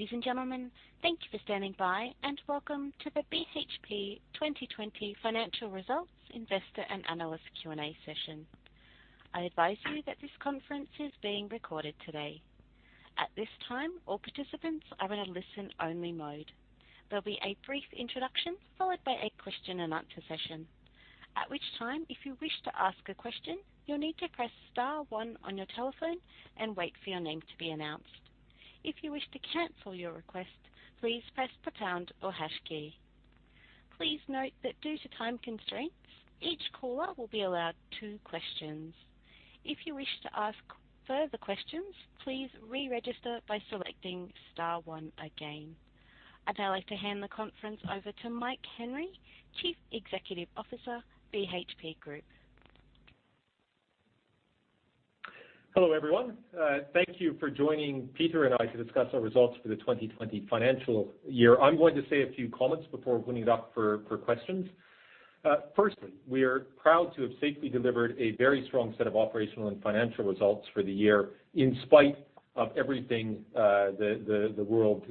Ladies and gentlemen, thank you for standing by, and welcome to the BHP 2020 financial results investor and analyst Q&A session. I advise you that this conference is being recorded today. At this time, all participants are in a listen-only mode. There'll be a brief introduction followed by a question-and-answer session. At which time, if you wish to ask a question, you'll need to press star one on your telephone and wait for your name to be announced. If you wish to cancel your request, please press the pound or hash key. Please note that due to time constraints, each caller will be allowed two questions. If you wish to ask further questions, please re-register by selecting star one again. I'd now like to hand the conference over to Mike Henry, Chief Executive Officer, BHP Group. Hello, everyone. Thank you for joining Peter and I to discuss our results for the 2020 financial year. I'm going to say a few comments before opening it up for questions. Firstly, we are proud to have safely delivered a very strong set of operational and financial results for the year in spite of everything the world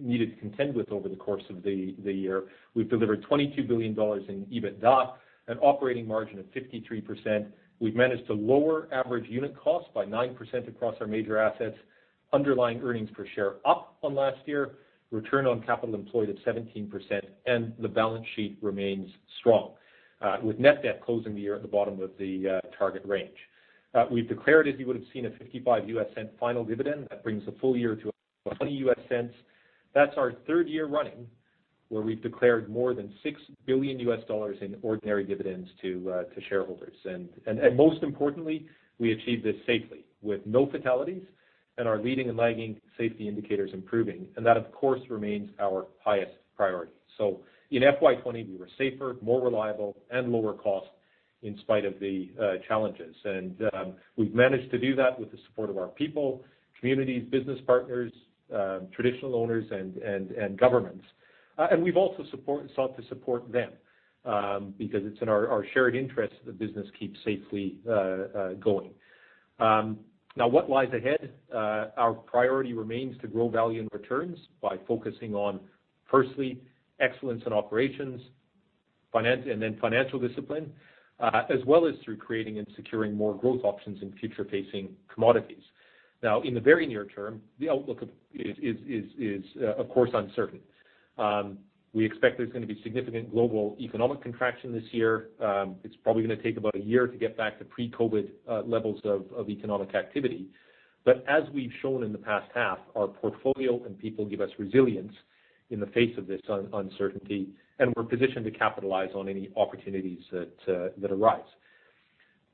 needed to contend with over the course of the year. We've delivered $22 billion in EBITDA, an operating margin of 53%. We've managed to lower average unit costs by 9% across our major assets. Underlying earnings per share up on last year, return on capital employed at 17%. The balance sheet remains strong, with net debt closing the year at the bottom of the target range. We've declared, as you would've seen, a $0.55 final dividend. That brings the full year to $0.20. That's our third year running, where we've declared more than $6 billion in ordinary dividends to shareholders. Most importantly, we achieved this safely with no fatalities and our leading and lagging safety indicators improving. That, of course, remains our highest priority. In FY 2020, we were safer, more reliable, and lower cost in spite of the challenges. We've managed to do that with the support of our people, communities, business partners, traditional owners, and governments. We've also sought to support them, because it's in our shared interest that the business keeps safely going. What lies ahead? Our priority remains to grow value and returns by focusing on, firstly, excellence in operations, and then financial discipline, as well as through creating and securing more growth options in future-facing commodities. In the very near term, the outlook is of course uncertain. We expect there's going to be significant global economic contraction this year. It's probably going to take about a year to get back to pre-COVID levels of economic activity. As we've shown in the past half, our portfolio and people give us resilience in the face of this uncertainty, and we're positioned to capitalize on any opportunities that arise.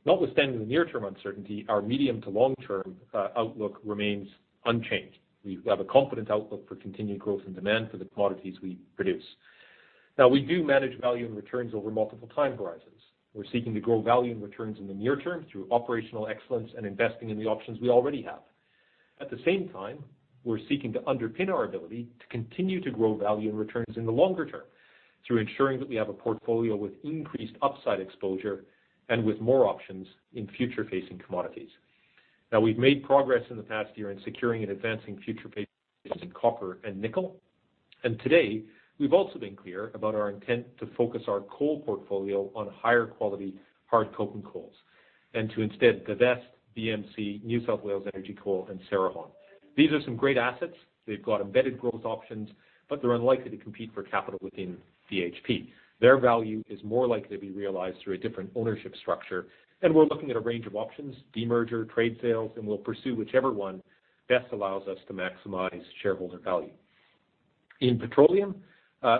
Notwithstanding the near-term uncertainty, our medium to long-term outlook remains unchanged. We have a confident outlook for continued growth and demand for the commodities we produce. We do manage value and returns over multiple time horizons. We're seeking to grow value and returns in the near term through operational excellence and investing in the options we already have. At the same time, we're seeking to underpin our ability to continue to grow value and returns in the longer term through ensuring that we have a portfolio with increased upside exposure and with more options in future-facing commodities. We've made progress in the past year in securing and advancing future-facing copper and nickel. Today, we've also been clear about our intent to focus our coal portfolio on higher quality hard coking coals and to instead divest BMC, New South Wales Energy Coal, and Cerrejón. These are some great assets. They've got embedded growth options, but they're unlikely to compete for capital within BHP. Their value is more likely to be realized through a different ownership structure, and we're looking at a range of options, demerger, trade sales, and we'll pursue whichever one best allows us to maximize shareholder value. In petroleum,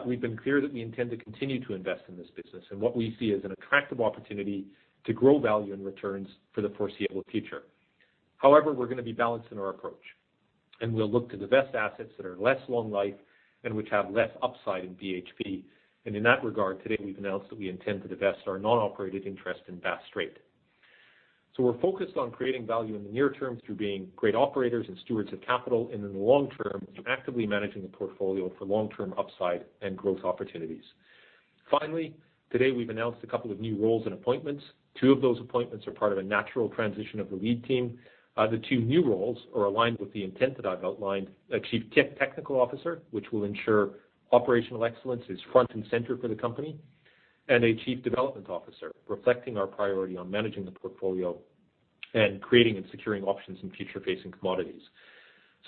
we've been clear that we intend to continue to invest in this business and what we see as an attractive opportunity to grow value and returns for the foreseeable future. We're going to be balanced in our approach, and we'll look to divest assets that are less long life and which have less upside in BHP. In that regard, today, we've announced that we intend to divest our non-operated interest in Bass Strait. We're focused on creating value in the near term through being great operators and stewards of capital. In the long term, through actively managing the portfolio for long-term upside and growth opportunities. Finally, today we've announced a couple of new roles and appointments. Two of those appointments are part of a natural transition of the lead team. The two new roles are aligned with the intent that I've outlined. A Chief Technical Officer, which will ensure operational excellence is front and center for the company, and a Chief Development Officer, reflecting our priority on managing the portfolio and creating and securing options in future-facing commodities.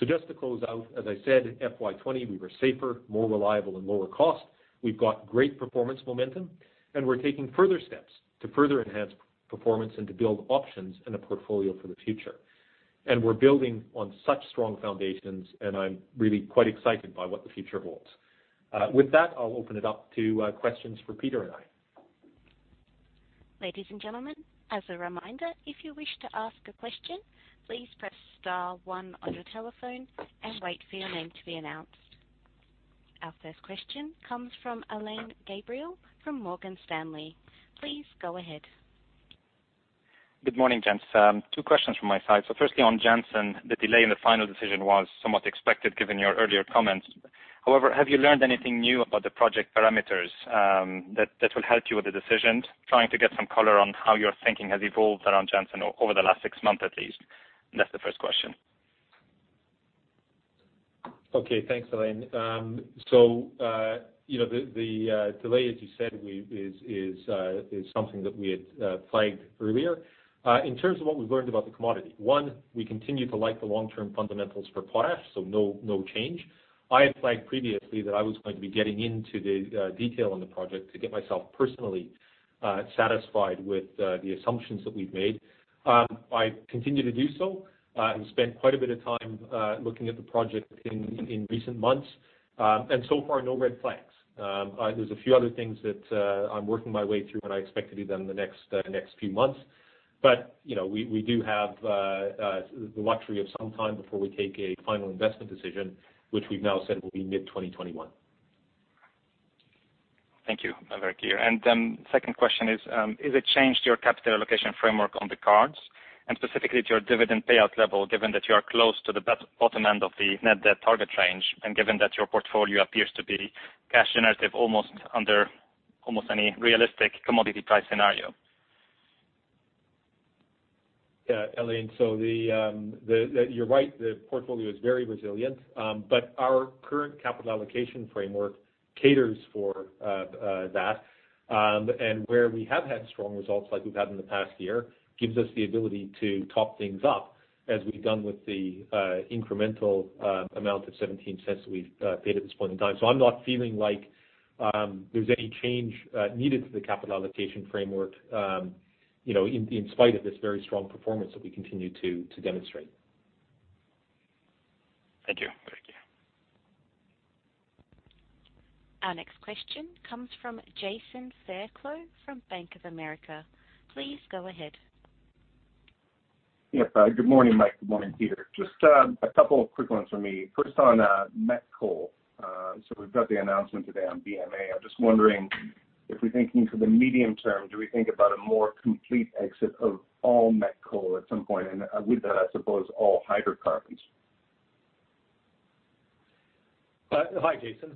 Just to close out, as I said, FY 2020, we were safer, more reliable, and lower cost. We've got great performance momentum, and we're taking further steps to further enhance performance and to build options in the portfolio for the future. We're building on such strong foundations, and I'm really quite excited by what the future holds. With that, I'll open it up to questions for Peter and I. Ladies and gentlemen, as a reminder, if you wish to ask a question, please press star one on your telephone, and wait for your name to be announced. Our first question comes from Alain Gabriel from Morgan Stanley. Please go ahead. Good morning, gents. Two questions from my side. Firstly, on Jansen, the delay in the final decision was somewhat expected given your earlier comments. However, have you learned anything new about the project parameters that will help you with the decisions? Trying to get some color on how your thinking has evolved around Jansen over the last six months at least. That's the first question. Thanks, Alain. The delay, as you said, is something that we had flagged earlier. In terms of what we've learned about the commodity, one, we continue to like the long-term fundamentals for potash, no change. I had flagged previously that I was going to be getting into the detail on the project to get myself personally satisfied with the assumptions that we've made. I continue to do so and spent quite a bit of time looking at the project in recent months. So far, no red flags. There's a few other things that I'm working my way through, and I expect to be done in the next few months. We do have the luxury of some time before we take a final investment decision, which we've now said will be mid-2021. Thank you, Mike. Second question, is a change to your capital allocation framework on the cards, and specifically to your dividend payout level, given that you are close to the bottom end of the net debt target range, and given that your portfolio appears to be cash generative under almost any realistic commodity price scenario? Alain, you're right, the portfolio is very resilient. Our current capital allocation framework caters for that. Where we have had strong results like we've had in the past year, gives us the ability to top things up as we've done with the incremental amount of $0.17 that we've paid at this point in time. I'm not feeling like there's any change needed to the capital allocation framework in spite of this very strong performance that we continue to demonstrate. Thank you. Thank you. Our next question comes from Jason Fairclough from Bank of America. Please go ahead. Good morning, Mike. Good morning, Peter. Just a couple of quick ones from me. First on met coal. We've got the announcement today on BMA. I'm just wondering if we're thinking to the medium term, do we think about a more complete exit of all met coal at some point? With that, I suppose all hydrocarbons. Hi, Jason.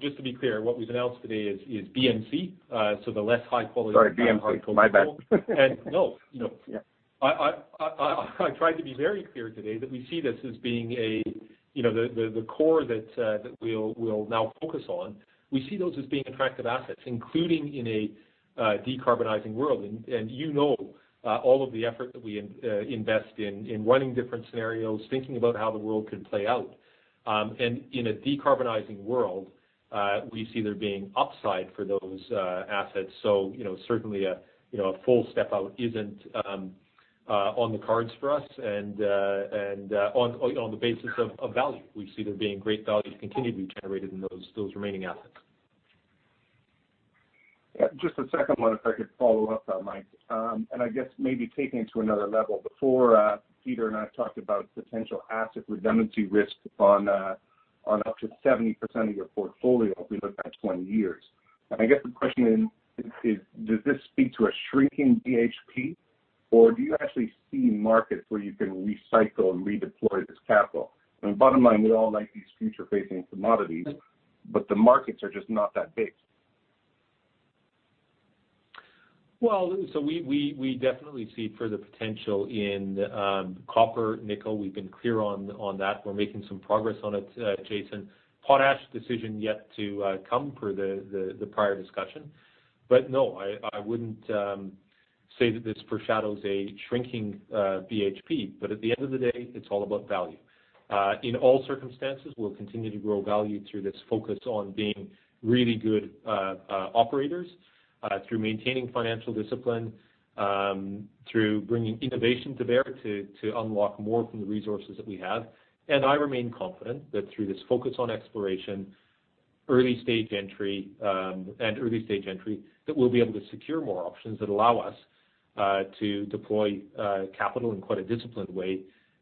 Just to be clear, what we've announced today is BMC. Sorry, BMC. My bad. I tried to be very clear today that we see this as being the core that we'll now focus on. We see those as being attractive assets, including in a decarbonizing world. You know all of the effort that we invest in running different scenarios, thinking about how the world could play out. In a decarbonizing world, we see there being upside for those assets. Certainly a full step out isn't on the cards for us and on the basis of value. We see there being great value to continue to be generated in those remaining assets. Just a second one if I could follow up on Mike. I guess maybe taking it to another level, before Peter and I talked about potential asset redundancy risks on up to 70% of your portfolio if we look out 20 years. I guess the question is, does this speak to a shrinking BHP, or do you actually see markets where you can recycle and redeploy this capital? Bottom line, we all like these future-facing commodities, but the markets are just not that big. We definitely see further potential in copper, nickel. We've been clear on that. We're making some progress on it, Jason. Potash decision yet to come per the prior discussion. No, I wouldn't say that this foreshadows a shrinking BHP. At the end of the day, it's all about value. In all circumstances, we'll continue to grow value through this focus on being really good operators, through maintaining financial discipline, through bringing innovation to bear to unlock more from the resources that we have. I remain confident that through this focus on exploration and early stage entry, that we'll be able to secure more options that allow us to deploy capital in quite a disciplined way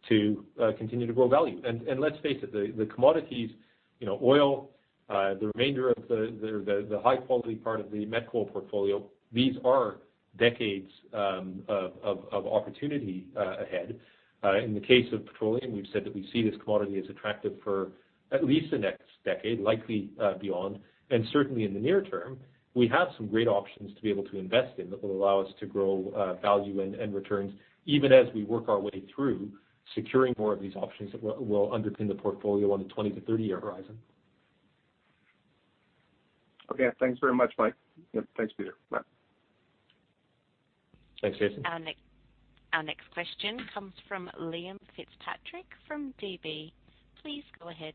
to continue to grow value. Let's face it, the commodities, oil, the remainder of the high quality part of the met coal portfolio, these are decades of opportunity ahead. In the case of petroleum, we've said that we see this commodity as attractive for at least the next decade, likely beyond. Certainly in the near term, we have some great options to be able to invest in that will allow us to grow value and returns even as we work our way through securing more of these options that will underpin the portfolio on the 20-30-year horizon. Okay. Thanks very much, Mike. Thanks, Peter. Bye. Thanks, Jason. Our next question comes from Liam Fitzpatrick from DB. Please go ahead.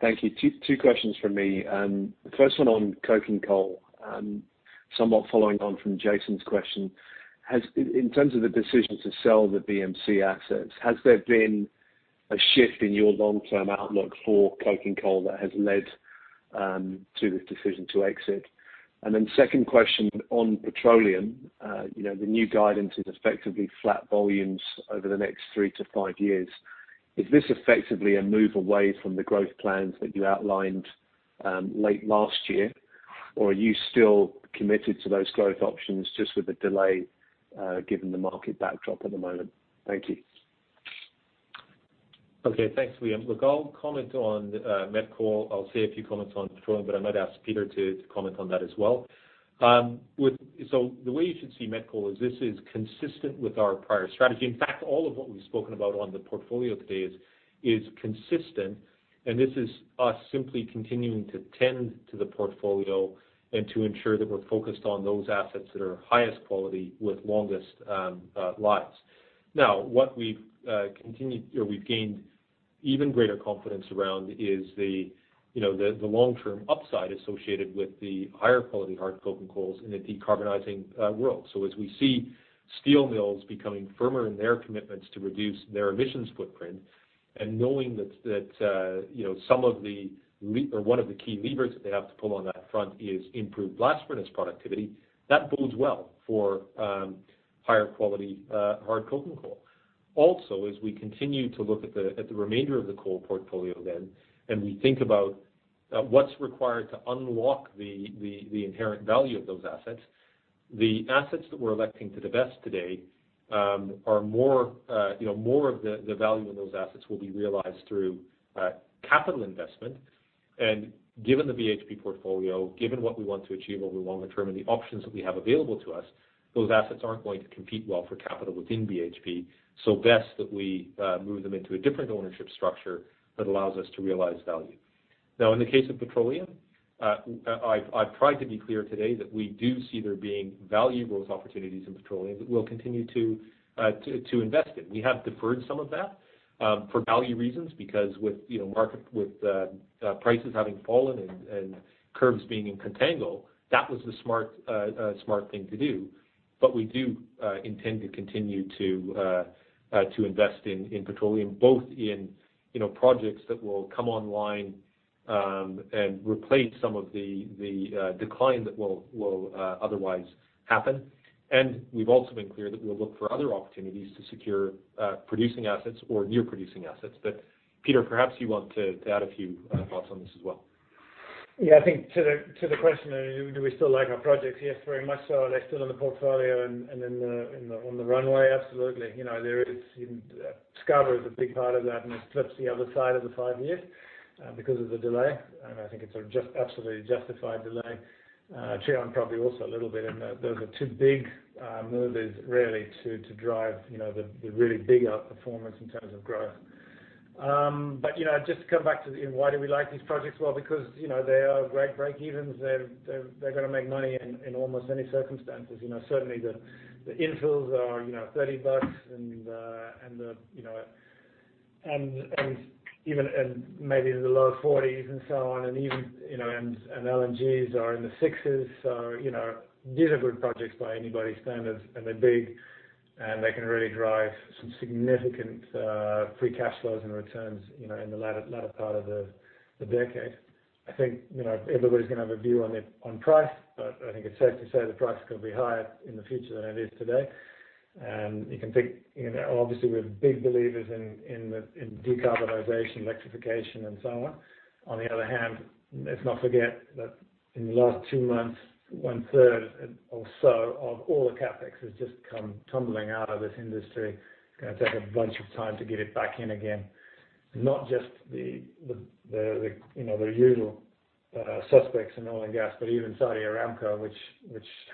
Thank you. Two questions from me. The first one on coking coal, somewhat following on from Jason's question. In terms of the decision to sell the BMC assets, has there been a shift in your long-term outlook for coking coal that has led to this decision to exit? Second question on petroleum. The new guidance is effectively flat volumes over the next three to five years. Is this effectively a move away from the growth plans that you outlined late last year? Are you still committed to those growth options just with a delay, given the market backdrop at the moment? Thank you. Thanks, Liam. I'll comment on met coal. I'll say a few comments on petroleum, I might ask Peter to comment on that as well. The way you should see met coal is this is consistent with our prior strategy. In fact, all of what we've spoken about on the portfolio today is consistent, and this is us simply continuing to tend to the portfolio and to ensure that we're focused on those assets that are highest quality with longest lives. Now, what we've gained even greater confidence around is the long-term upside associated with the higher-quality hard coking coals in a decarbonizing world. As we see steel mills becoming firmer in their commitments to reduce their emissions footprint and knowing that one of the key levers that they have to pull on that front is improved blast furnace productivity, that bodes well for higher quality hard coking coal. As we continue to look at the remainder of the coal portfolio then, and we think about what's required to unlock the inherent value of those assets, the assets that we're electing to divest today, more of the value in those assets will be realized through capital investment. Given the BHP portfolio, given what we want to achieve over long term and the options that we have available to us, those assets aren't going to compete well for capital within BHP. Best that we move them into a different ownership structure that allows us to realize value. In the case of petroleum, I've tried to be clear today that we do see there being value growth opportunities in petroleum that we'll continue to invest in. We have deferred some of that for value reasons, because with prices having fallen and curves being in contango, that was the smart thing to do. We do intend to continue to invest in petroleum, both in projects that will come online and replace some of the decline that will otherwise happen. We've also been clear that we'll look for other opportunities to secure producing assets or near-producing assets. Peter, perhaps you want to add a few thoughts on this as well. I think to the question, do we still like our projects? Yes, very much so. Are they still in the portfolio and on the runway? Absolutely. Scarborough is a big part of that. It slips the other side of the five-year because of the delay. I think it's an absolutely justified delay. Trion probably also a little bit in there. Those are two big movers, really, to drive the really big outperformance in terms of growth. Just to come back to why do we like these projects? Well, because they are great break-evens. They're going to make money in almost any circumstances. Certainly, the infills are $30 and maybe in the low $40s and so on, and LNGs are in the $6s. These are good projects by anybody's standards, and they're big, and they can really drive some significant free cash flows and returns in the latter part of the decade. I think everybody's going to have a view on price, but I think it's safe to say the price is going to be higher in the future than it is today. Obviously, we're big believers in decarbonization, electrification, and so on. On the other hand, let's not forget that in the last two months, 1/3 or so of all the CapEx has just come tumbling out of this industry. It's going to take a bunch of time to get it back in again, not just the usual suspects in oil and gas, but even Saudi Aramco, which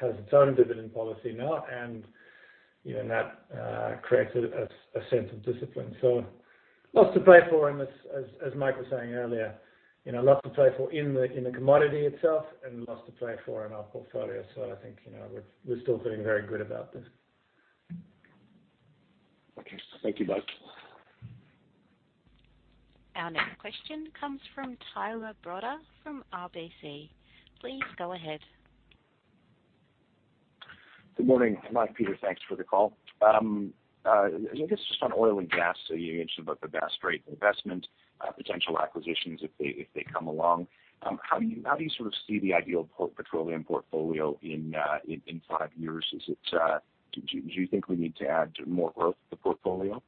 has its own dividend policy now, and that creates a sense of discipline. Lots to play for in this, as Mike was saying earlier. Lots to play for in the commodity itself and lots to play for in our portfolio. I think we're still feeling very good about this. Thank you, both. Our next question comes from Tyler Broda from RBC. Please go ahead. Good morning, Mike, Peter. Thanks for the call. I guess just on oil and gas, you mentioned about the Bass Strait for investment, potential acquisitions if they come along. How do you sort of see the ideal petroleum portfolio in five years? Do you think we need to add more growth to the portfolio?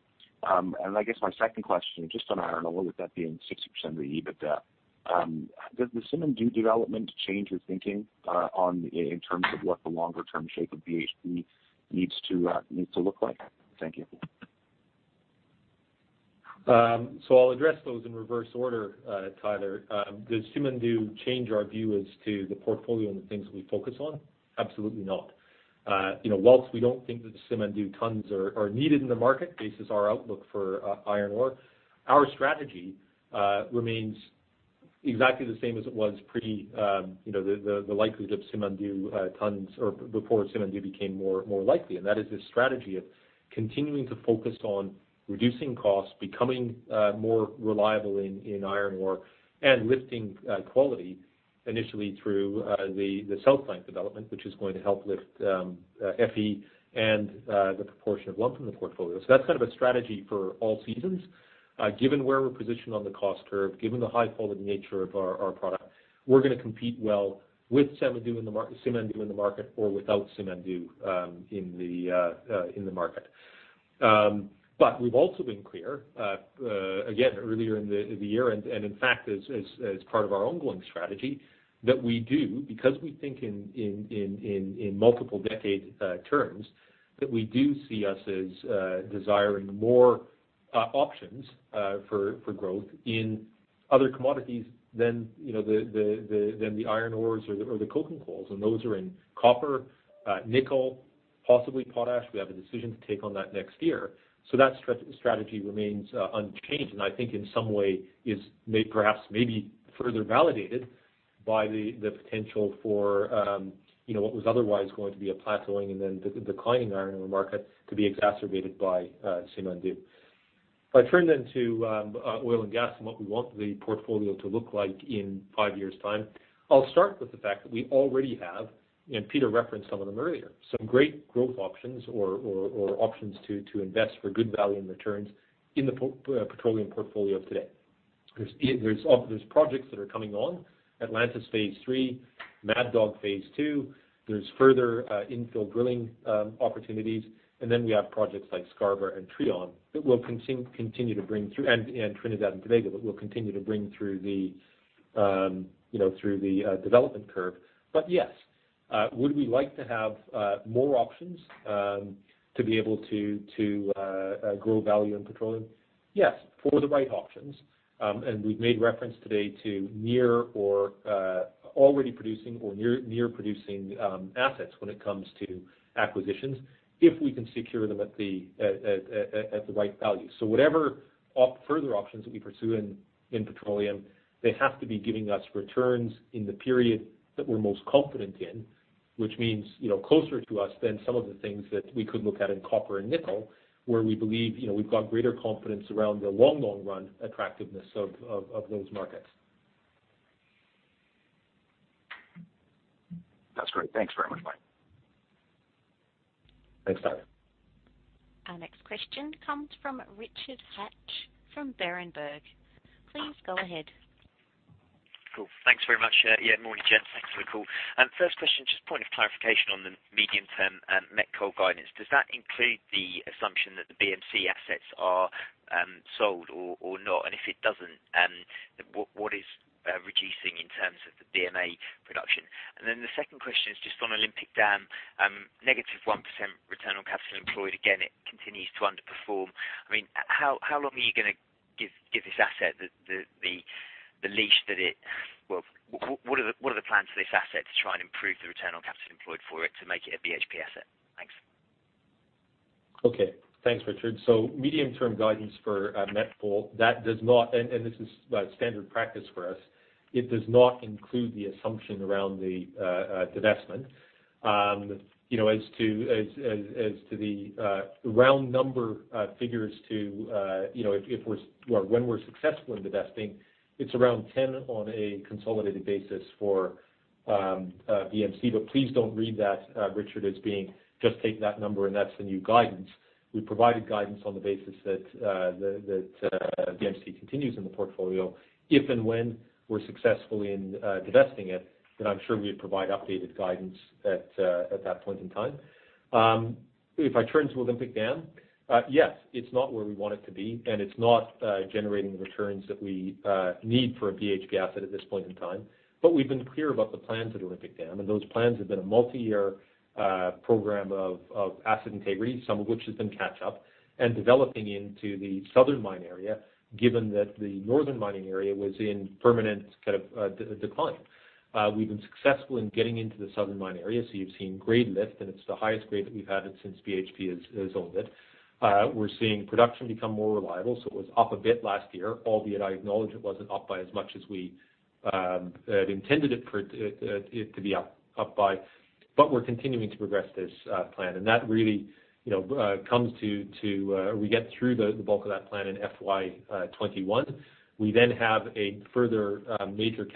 I guess my second question, just on iron ore, with that being 60% of the EBITDA, does the Simandou development change your thinking in terms of what the longer-term shape of BHP needs to look like? Thank you. I'll address those in reverse order, Tyler. Does Simandou change our view as to the portfolio and the things that we focus on? Absolutely not. Whilst we don't think that the Simandou tons are needed in the market, basis our outlook for iron ore, our strategy remains exactly the same as it was the likelihood of Simandou tons or before Simandou became more likely, and that is the strategy of continuing to focus on reducing costs, becoming more reliable in iron ore, and lifting quality initially through the South Flank development, which is going to help lift Fe and the proportion of lump in the portfolio. That's kind of a strategy for all seasons. Given where we're positioned on the cost curve, given the high-quality nature of our product, we're going to compete well with Simandou in the market or without Simandou in the market. We've also been clear, again, earlier in the year and in fact as part of our ongoing strategy, that we do, because we think in multiple decade terms, that we do see us as desiring more options for growth in other commodities than the iron ores or the coking coals, and those are in copper, nickel, possibly potash. We have a decision to take on that next year. That strategy remains unchanged and I think in some way is perhaps maybe further validated by the potential for what was otherwise going to be a plateauing and then declining iron ore market to be exacerbated by Simandou. If I turn to oil and gas and what we want the portfolio to look like in five years' time, I'll start with the fact that we already have, and Peter referenced some of them earlier, some great growth options or options to invest for good value and returns in the petroleum portfolio today. There's projects that are coming on, Atlantis Phase 3, Mad Dog Phase 2. There's further infill drilling opportunities. Then we have projects like Scarborough and Trion that we'll continue to bring through, and Trinidad and Tobago, that we'll continue to bring through the development curve. Would we like to have more options to be able to grow value in petroleum? Yes, for the right options. We've made reference today to near or already producing or near-producing assets when it comes to acquisitions, if we can secure them at the right value. Whatever further options that we pursue in petroleum, they have to be giving us returns in the period that we're most confident in, which means closer to us than some of the things that we could look at in copper and nickel, where we believe we've got greater confidence around the long, long run attractiveness of those markets. That's great. Thanks very much, Mike. Thanks, Tyler. Our next question comes from Richard Hatch from Berenberg. Please go ahead. Cool. Thanks very much. Morning, gents. Thanks for the call. First question, just a point of clarification on the medium-term met coal guidance. Does that include the assumption that the BMC assets are sold or not? If it doesn't, what is reducing in terms of the BMA production? The second question is just on Olympic Dam, -1% return on capital employed. Again, it continues to underperform. How long are you going to give this asset, what are the plans for this asset to try and improve the return on capital employed for it to make it a BHP asset? Thanks. Thanks, Richard. Medium-term guidance for met coal, and this is standard practice for us, it does not include the assumption around the divestment. As to the round number figures when we're successful in divesting, it's around 10 metric tons on a consolidated basis for BMC. Please don't read that, Richard, as being just take that number and that's the new guidance. We provided guidance on the basis that BMC continues in the portfolio. If and when we're successful in divesting it, then I'm sure we'd provide updated guidance at that point in time. If I turn to Olympic Dam, yes, it's not where we want it to be, and it's not generating the returns that we need for a BHP asset at this point in time. We've been clear about the plans at Olympic Dam, and those plans have been a multiyear program of asset integrity, some of which has been catch-up, and developing into the southern mine area, given that the northern mining area was in permanent decline. We've been successful in getting into the southern mine area, so you've seen grade lift, and it's the highest grade that we've had it since BHP has owned it. We're seeing production become more reliable, so it was up a bit last year, albeit I acknowledge it wasn't up by as much as we had intended it to be up by. We're continuing to progress this plan, and that really comes to, we get through the bulk of that plan in FY 2021. We then have a further major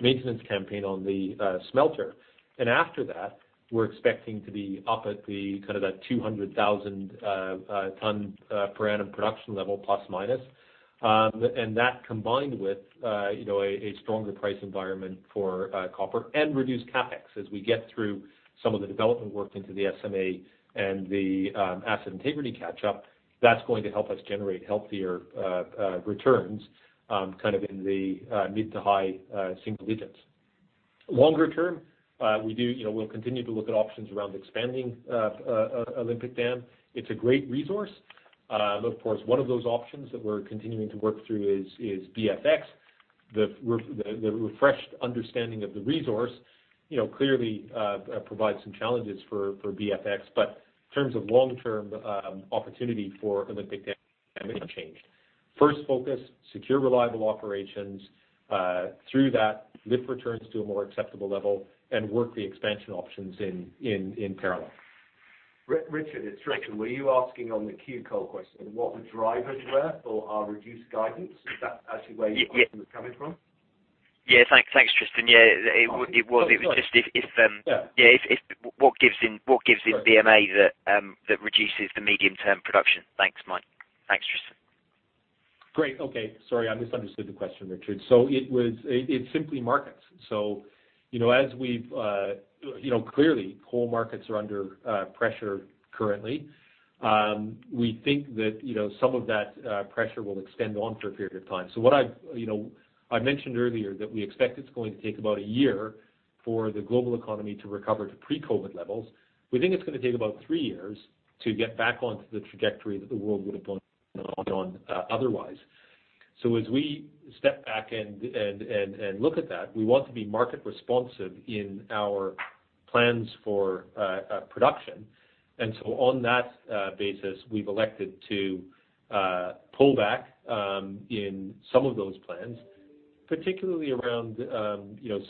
maintenance campaign on the smelter. After that, we're expecting to be up at the ±200,000 ton per annum production level. That combined with a stronger price environment for copper and reduced CapEx as we get through some of the development work into the SMA and the asset integrity catch-up, that's going to help us generate healthier returns in the mid to high single-digits. Longer term, we'll continue to look at options around expanding Olympic Dam. It's a great resource. Of course, one of those options that we're continuing to work through is BFX. The refreshed understanding of the resource clearly provides some challenges for BFX. In terms of long-term opportunity for Olympic Dam, nothing changed. First focus, secure reliable operations. Through that, lift returns to a more acceptable level and work the expansion options in parallel. Richard, it's Tristan. Were you asking on the [coal production] and what the drivers were for our reduced guidance? Is that actually where your question was coming from? Thanks, Tristan. Yeah, it was. Oh, sorry. It was just what gives in BMA that reduces the medium-term production. Thanks, Mike. Thanks, Tristan. Great. Okay. Sorry, I misunderstood the question, Richard. It's simply markets. Clearly, coal markets are under pressure currently. We think that some of that pressure will extend on for a period of time. I mentioned earlier that we expect it's going to take about a year for the global economy to recover to pre-COVID levels. We think it's going to take about three years to get back onto the trajectory that the world would have gone on otherwise. As we step back and look at that, we want to be market responsive in our plans for production. On that basis, we've elected to pull back in some of those plans, particularly around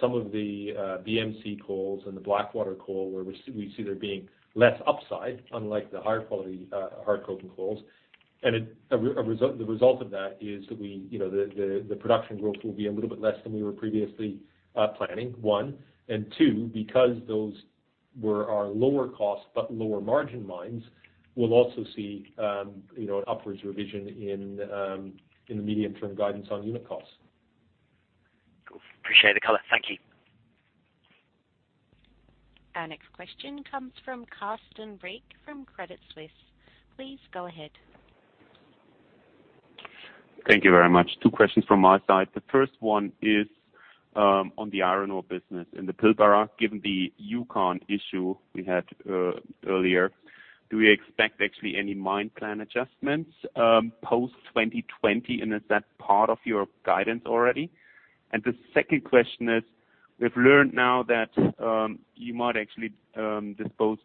some of the BMC coal and the Blackwater coal, where we see there being less upside, unlike the higher quality hard coking coals. The result of that is the production growth will be a little bit less than we were previously planning, one. Two, because those were our lower cost but lower margin mines, we will also see an upwards revision in the medium-term guidance on unit costs. Cool. Appreciate the color. Thank you. Our next question comes from Carsten Riek from Credit Suisse. Please go ahead. Thank you very much. Two questions from my side. The first one is on the iron ore business in the Pilbara, given the Juukan Gorge issue we had earlier, do we expect actually any mine plan adjustments post 2020? Is that part of your guidance already? The second question is, we've learned now that you might actually dispose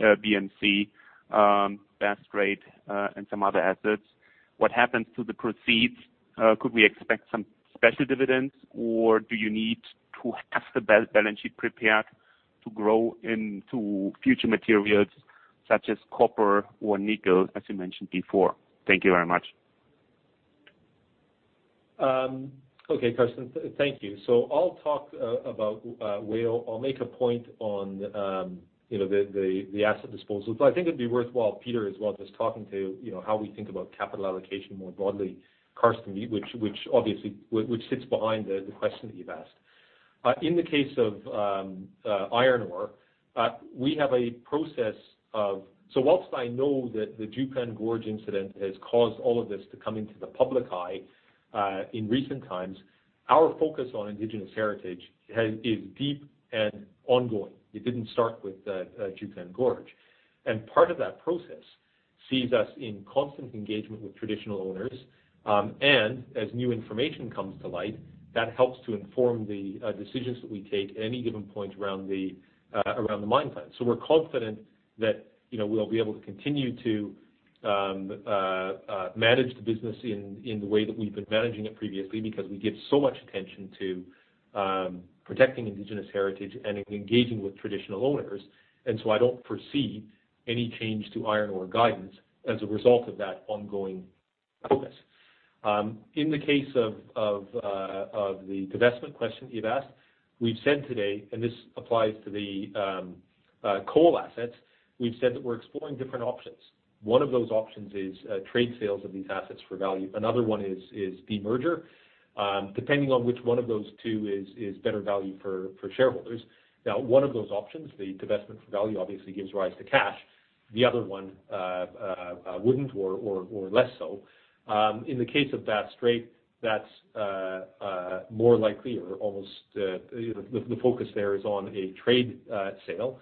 BMC, Bass Strait, and some other assets. What happens to the proceeds? Could we expect some special dividends, or do you need to have the balance sheet prepared to grow into future materials such as copper or nickel, as you mentioned before? Thank you very much. Okay, Carsten. Thank you. I'll make a point on the asset disposals. I think it'd be worthwhile, Peter, as well, just talking to how we think about capital allocation more broadly, Carsten, which sits behind the question that you've asked. In the case of iron ore, whilst I know that the Juukan Gorge incident has caused all of this to come into the public eye in recent times, our focus on indigenous heritage is deep and ongoing. It didn't start with Juukan Gorge. Part of that process sees us in constant engagement with traditional owners. As new information comes to light, that helps to inform the decisions that we take at any given point around the mine plan. We're confident that we'll be able to continue to manage the business in the way that we've been managing it previously, because we give so much attention to protecting indigenous heritage and engaging with traditional owners. I don't foresee any change to iron ore guidance as a result of that ongoing focus. In the case of the divestment question that you've asked, we've said today, and this applies to the coal assets, we've said that we're exploring different options. One of those options is trade sales of these assets for value. Another one is demerger, depending on which one of those two is better value for shareholders. One of those options, the divestment for value, obviously gives rise to cash. The other one wouldn't, or less so. In the case of Bass Strait, that's more likely, or the focus there is on a trade sale.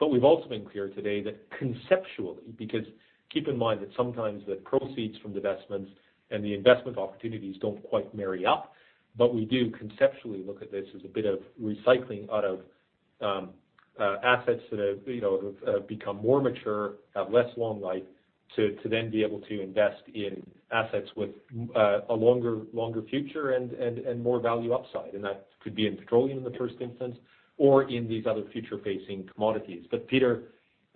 We've also been clear today that conceptually, because keep in mind that sometimes the proceeds from divestments and the investment opportunities don't quite marry up. We do conceptually look at this as a bit of recycling out of assets that have become more mature, have less long life, to then be able to invest in assets with a longer future and more value upside. That could be in petroleum in the first instance or in these other future-facing commodities. Peter,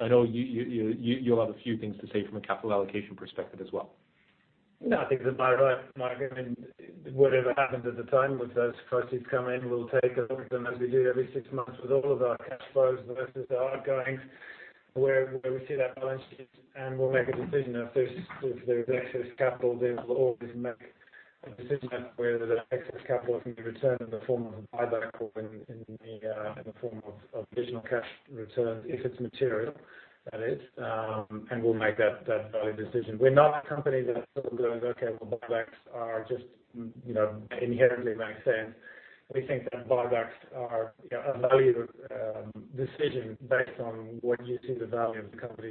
I know you'll have a few things to say from a capital allocation perspective as well. I think that Mike, whatever happens at the time with those proceeds come in, we'll take a look at them as we do every six months with all of our cash flows versus the outgoings, where we see that balance sheet, and we'll make a decision if there's excess capital there. We'll always make a decision as to whether that excess capital can be returned in the form of a buyback or in the form of additional cash returns, if it's material, that is. We'll make that value decision. We're not a company that sort of goes, okay, well, buybacks just inherently make sense. We think that buybacks are a value decision based on what you see the value of the company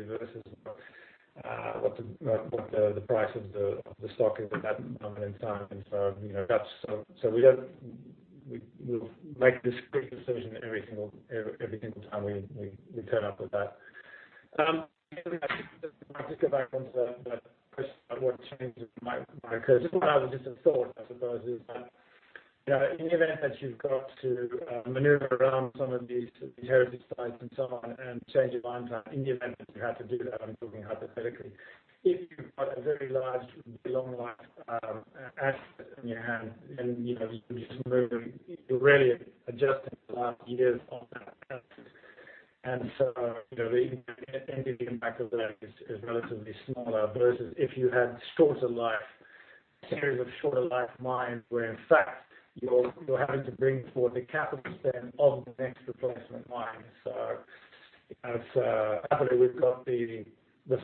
versus what the price of the stock is at that moment in time. We will make this decision every single time we turn up with that. Maybe, Mike, just going back onto the question about what changes might occur. Just one other different thought, I suppose, is that in the event that you've got to maneuver around some of these heritage sites and so on and change your mine plan, in the event that you had to do that, I'm talking hypothetically, if you've got a very large, long life asset on your hands and you're just moving, you're really adjusting the last years of that asset. The impact of that is relatively smaller versus if you had a series of shorter life mines where in fact, you're having to bring forward the capital spend of the next replacement mine. Happily, we've got the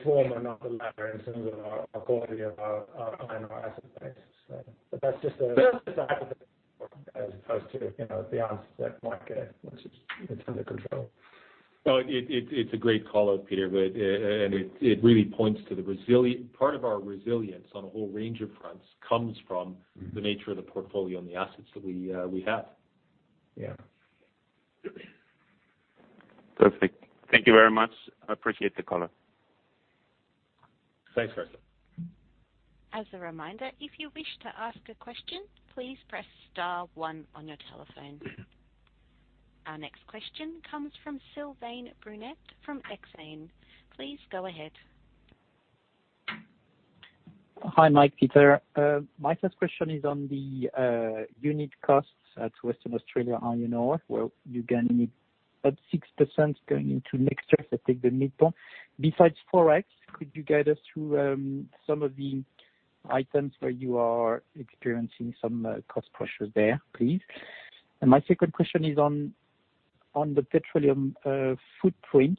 former, not the latter, in terms of our quality of our mine asset base. That's just a hypothetical as opposed to the answers that Mike gave, which is entirely controlled. Well, it's a great call-out, Peter, and it really points to part of our resilience on a whole range of fronts comes from the nature of the portfolio and the assets that we have. Perfect. Thank you very much. I appreciate the color. Thanks, Carsten. As a reminder, if you wish to ask a question, please press star one on your telephone. Our next question comes from Sylvain Brunet from Exane. Please go ahead. Hi, Mike, Peter. My first question is on the unit costs at Western Australia Iron Ore, where you're going to need about 6% going into next year if I take the midpoint. Besides Forex, could you guide us through some of the items where you are experiencing some cost pressures there, please? My second question is on the petroleum footprint.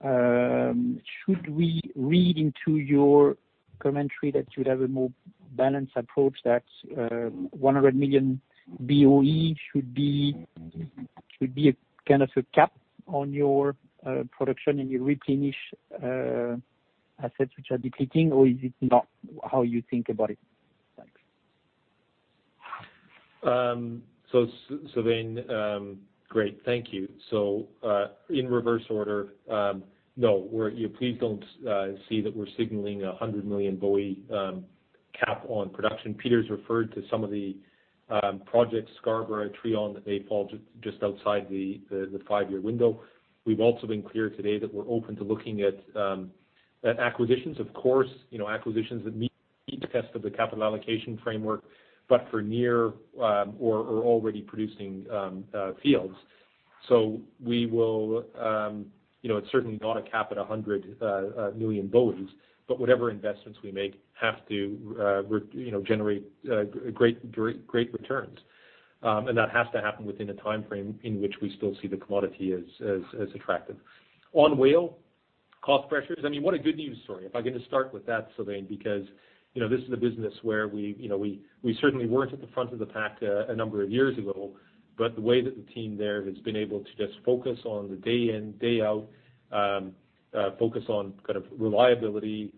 Should we read into your commentary that you would have a more balanced approach, that 100 million barrel of oil equivalent should be kind of a cap on your production and you replenish assets which are depleting, or is it not how you think about it? Thanks. Sylvain, great, thank you. In reverse order, no, please don't see that we're signaling 100 million barrel of oil equivalent cap on production. Peter's referred to some of the projects, Scarborough and Trion, that may fall just outside the five-year window. We've also been clear today that we're open to looking at acquisitions, of course, acquisitions that meet the test of the capital allocation framework, but for near or already producing fields. It's certainly not a cap at 100 million barrel of oil equivalent, but whatever investments we make have to generate great returns. That has to happen within a timeframe in which we still see the commodity as attractive. On WAIO cost pressures, I mean, what a good news story. If I can just start with that, Sylvain, because this is a business where we certainly weren't at the front of the pack a number of years ago, but the way that the team there has been able to just focus on the day in, day out, focus on kind of reliability,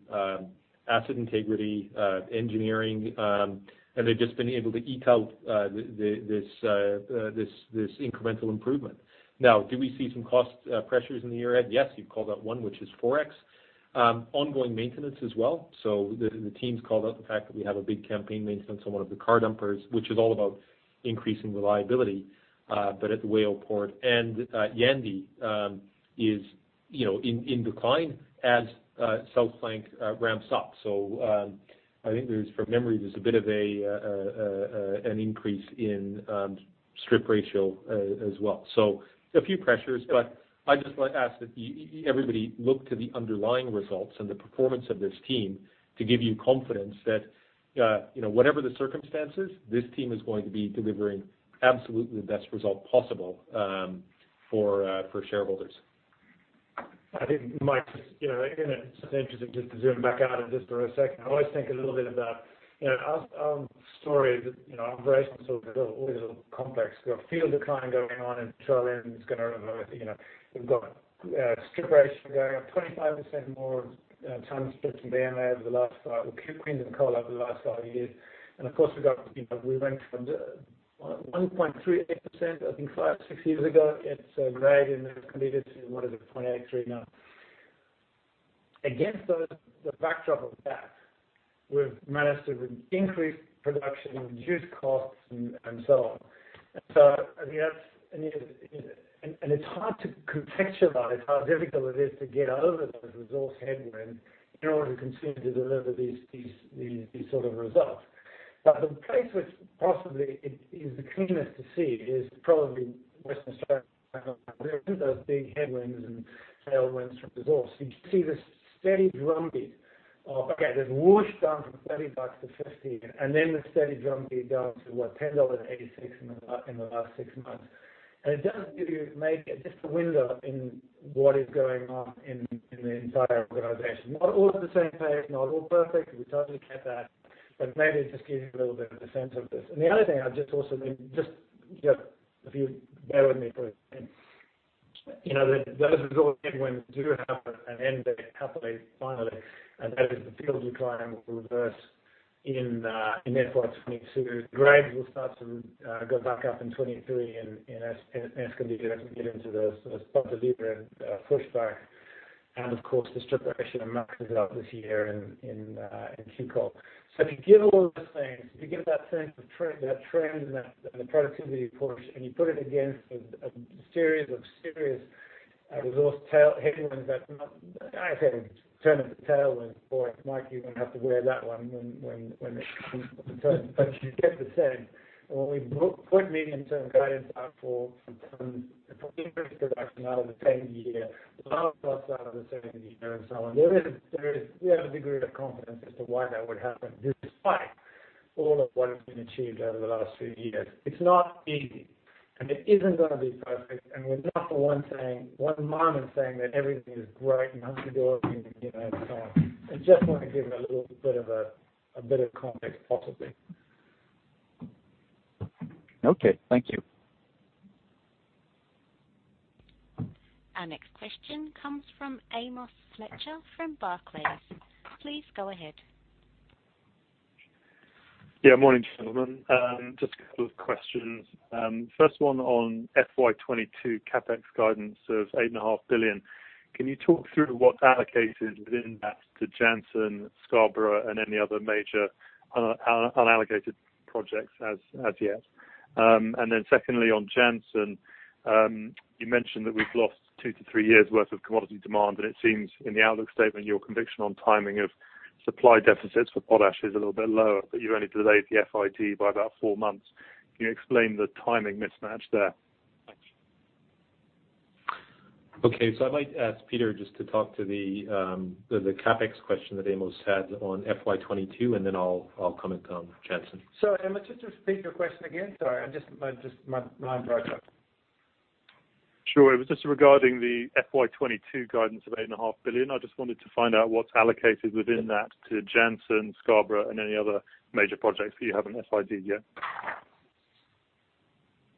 asset integrity, engineering, and they've just been able to eke out this incremental improvement. Now, do we see some cost pressures in the year ahead? Yes, you've called out one, which is Forex. Ongoing maintenance as well. The team's called out the fact that we have a big campaign maintenance on one of the car dumpers, which is all about increasing reliability, but at Port Hedland. Yandi is in decline as South Flank ramps up. I think from memory, there's a bit of an increase in strip ratio as well. A few pressures, but I'd just like to ask that everybody look to the underlying results and the performance of this team to give you confidence that whatever the circumstances, this team is going to be delivering absolutely the best result possible for shareholders. I think, Mike, it's interesting just to zoom back out just for a second. I always think a little bit about our own story at BHP is always a little complex. We've got field decline going on. We've got strip ratio going up, 25% more tons split from the inland over the last five, Queensland coal, over the last five years. Of course, we went from 1.38%, I think, five or six years ago, its. [inaudible] Against the backdrop of that, we've managed to increase production and reduce costs and so on. It's hard to contextualize how difficult it is to get over those resource headwinds in order to continue to deliver these sort of results. The place which possibly is the cleanest to see is probably Western Australia those big headwinds and tailwinds from resource. You see this steady drumbeat of, okay, there's whoosh down from $30 to $50, and then the steady drumbeat down to, what, $10.86 in the last six months. It does give you maybe just a window in what is going on in the entire organization. Not all at the same pace, not all perfect, we totally get that, but maybe it just gives you a little bit of a sense of this. The other thing I'd just also mention, just if you bear with me, please. Those resource headwinds do have an end date, happily, finally, and that is the field decline will reverse in FY 2022. Grades will start to go back up in 2023 in Escondida as we get into the spot delivery in. [inaudible] Of course, the strip ratio maxes out this year in. [inaudible] If you give all those things, if you give that sense of that trend and the productivity push, and you put it against a series of serious tailwind. I say turn of the tailwind. Boy, Mike, you are going to have to wear that one when it comes to the turn. You get the same, when we put medium-term guidance up for increased production out of the ten year, lower costs out of the second year and so on. We have a degree of confidence as to why that would happen, despite all of what has been achieved over the last few years. It is not easy, and it is not going to be perfect. We are not for one moment saying that everything is great and hunky-dory and so on. I just want to give it a little bit of a bit of context, possibly. Okay. Thank you. Our next question comes from Amos Fletcher from Barclays. Please go ahead. Morning, gentlemen. Just a couple of questions. First one on FY 2022 CapEx guidance of $8.5 billion. Can you talk through what's allocated within that to Jansen, Scarborough and any other major unallocated projects as yet? Secondly, on Jansen, you mentioned that we've lost two to three years' worth of commodity demand, and it seems in the outlook statement, your conviction on timing of supply deficits for potash is a little bit lower, but you've only delayed the FID by about four months. Can you explain the timing mismatch there? Thanks. Okay. I might ask Peter just to talk to the CapEx question that Amos had on FY 2022. I'll comment on Jansen. Sorry, Amos, just repeat your question again. Sorry, my mind blanked out. Sure. It was just regarding the FY 2022 guidance of $8.5 billion. I just wanted to find out what's allocated within that to Jansen, Scarborough and any other major projects that you haven't FID'd yet.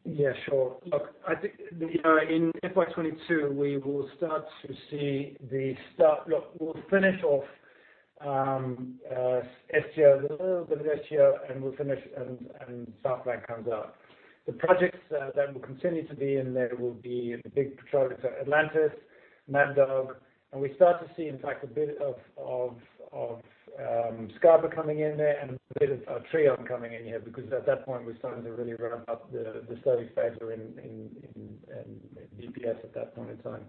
We'll finish off a little bit of [Esso] and South Flank comes up. The projects that will continue to be in there will be the big projects are Atlantis, Mad Dog, and we start to see, in fact, a bit of Scarborough coming in there and a bit of Trion coming in here because at that point, we're starting to really ramp up the study phase in BPS at that point in time.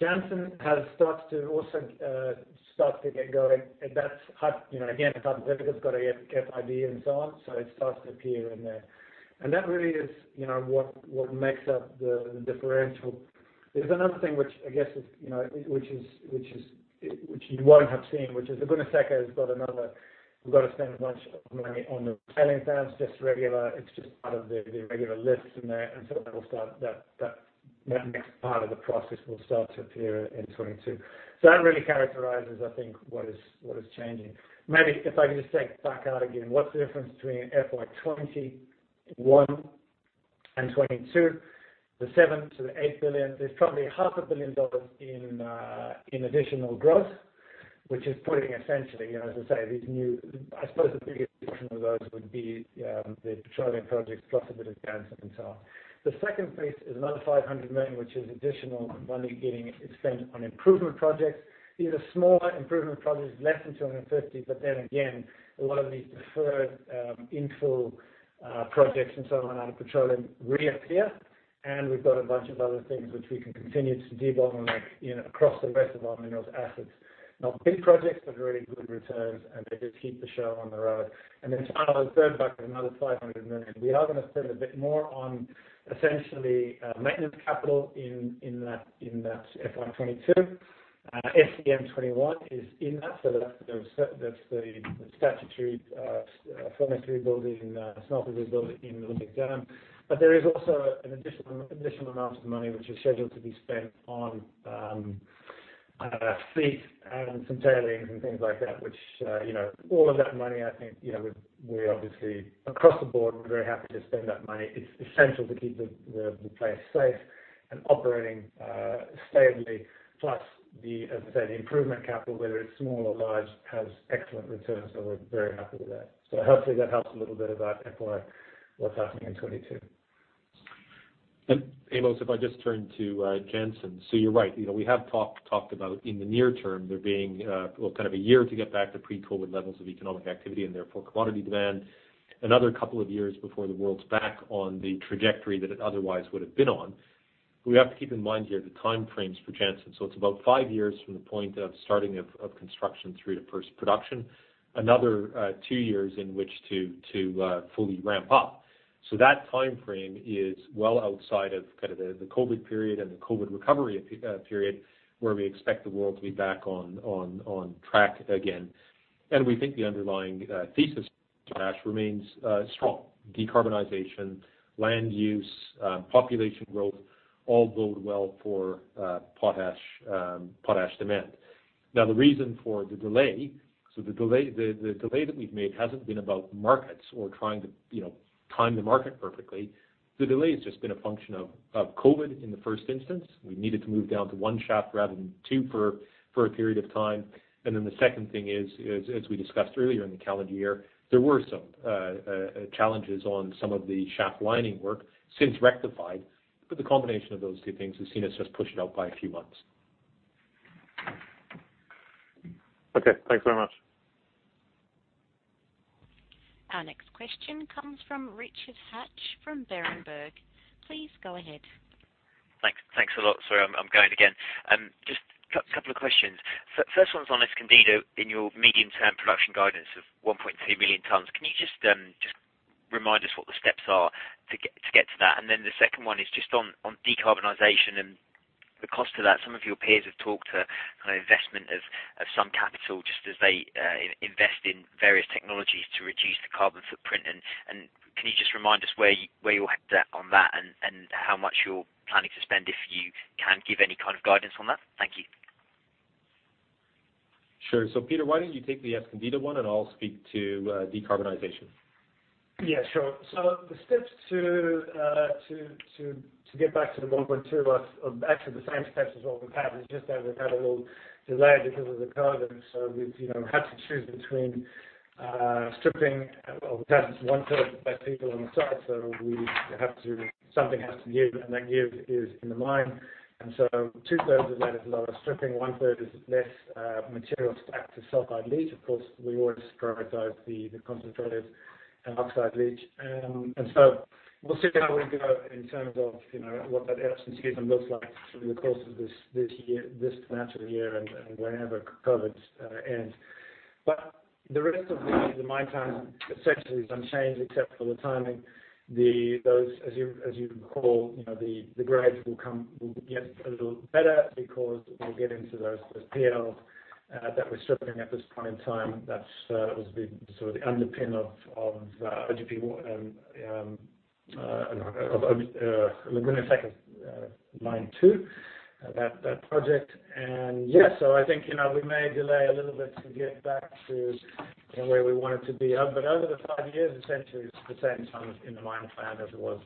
Jansen has started to also get going. Again, it's got to get FID and so on. It starts to appear in there. That really is what makes up the differential. There's another thing which you won't have seen, which is the. [inaudible] We've got to spend a bunch of money on the tailings, it's just part of the regular list in there. That next part of the process will start to appear in 2022. That really characterizes, I think, what is changing. Maybe if I can just take it back out again, what's the difference between FY 2021 and 2022? The $7 billion-$8 billion. There's probably $500 million in additional growth, which is putting essentially, as I say, these I suppose the biggest portion of those would be the petroleum projects, plus a bit of Jansen and so on. The second piece is another $500 million, which is additional money getting spent on improvement projects. These are smaller improvement projects, less than $250 million. Again, a lot of these deferred infill projects and so on out of petroleum reappear. We've got a bunch of other things which we can continue to de-bottle across the rest of our minerals assets. Not big projects, but very good returns, and they just keep the show on the road. Finally, the third bucket, another $500 million. We are going to spend a bit more on essentially maintenance capital in that FY 2022. SCM 21 is in that, so that's the statutory [inaudible] building, small physical building in Olympic Dam. There is also an additional amount of money which is scheduled to be spent on fleet and some tailings and things like that. All of that money, I think, across the board, we're very happy to spend that money. It's essential to keep the place safe and operating stably. As I say, the improvement capital, whether it's small or large, has excellent returns, so we're very happy with that. Hopefully that helps a little bit about FY, what's happening in 2022. Amos, if I just turn to Jansen. You're right, we have talked about in the near term, there being, well, kind of a year to get back to pre-COVID levels of economic activity and therefore commodity demand, another couple of years before the world's back on the trajectory that it otherwise would have been on. We have to keep in mind here the time frames for Jansen. It's about five years from the point of starting of construction through to first production, another two years in which to fully ramp up. That time frame is well outside of the COVID period and the COVID recovery period where we expect the world to be back on track again. We think the underlying thesis to potash remains strong. Decarbonization, land use, population growth, all bode well for potash demand. The reason for the delay that we've made hasn't been about markets or trying to time the market perfectly. The delay has just been a function of COVID in the first instance. We needed to move down to one shaft rather than two for a period of time. The second thing is, as we discussed earlier in the calendar year, there were some challenges on some of the shaft lining work, since rectified. The combination of those two things has seen us just pushed out by a few months. Okay, thanks very much. Our next question comes from Richard Hatch from Berenberg. Please go ahead. Thanks a lot. Just couple of questions. First one's on Escondida, in your medium-term production guidance of 1.2 million tons, can you just remind us what the steps are to get to that? Then the second one is just on decarbonization and the cost of that. Some of your peers have talked, investment of some capital just as they invest in various technologies to reduce the carbon footprint. Can you just remind us where you're at on that and how much you're planning to spend, if you can give any kind of guidance on that? Thank you. Sure. Peter, why don't you take the Escondida one and I'll speak to decarbonization. Sure. The steps to get back to the 1.2 million tons are actually the same steps as what we've had. It's just that we've had a little delay because of the COVID. We've had to choose between stripping, well, we've had one third less people on the site, something has to give, and that give is in the mine. Two-thirds of that is a lot of stripping, one-third is less material stacked to sulfide leach. Of course, we always prioritize the concentrated oxide leach. We'll see how we go in terms of what that [inaudible] looks like through the course of this financial year and whenever COVID ends. The rest of the mine plan essentially is unchanged except for the timing. Those, as you recall, the grades will get a little better because we'll get into those piles that we're stripping at this point in time. That was the underpin of Laguna Seca Line 2, that project, so I think we may delay a little bit to get back to where we wanted to be. Over the five years, essentially, it's the same tons in the mine plan as it was,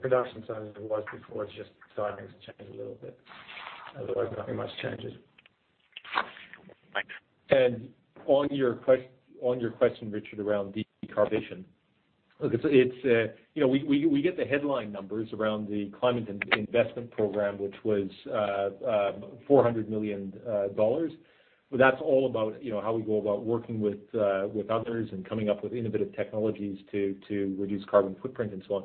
production tons as it was before. It's just timings have changed a little bit. Otherwise, nothing much changes. Thanks. On your question, Richard, around decarbonization. We get the headline numbers around the climate investment program, which was $400 million. That's all about how we go about working with others and coming up with innovative technologies to reduce carbon footprint and so on.